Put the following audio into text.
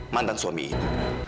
mantan suami itu